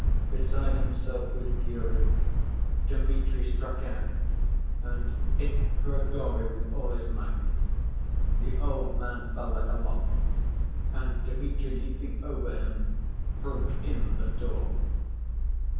Beside himself with fury, Dmitri struck out, and hit Grigory with all his might. The old man fell like a log, and Dmitri, leaping over him, broke in the door.